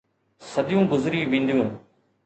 صديون گذري وينديون.